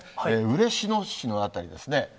嬉野市の辺りですね。